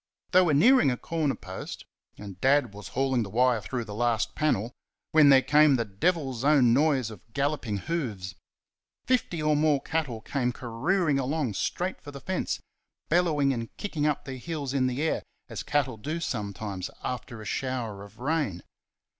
They were nearing a corner post, and Dad was hauling the wire through the last panel, when there came the devil's own noise of galloping hoofs. Fifty or more cattle came careering along straight for the fence, bellowing and kicking up their heels in the air, as cattle do sometimes after a shower of rain.